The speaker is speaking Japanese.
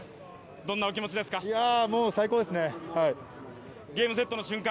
どんなお気持ちですか？